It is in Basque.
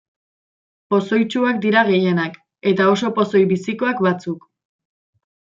Pozoitsuak dira gehienak, eta oso pozoi bizikoak batzuk.